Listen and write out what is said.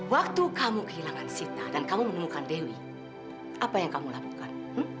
waktu kamu kehilangan sitnah dan kamu menemukan dewi apa yang kamu lakukan